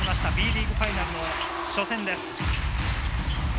Ｂリーグファイナルの初戦です。